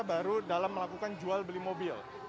kami tidak baru baru dalam melakukan jual beli mobil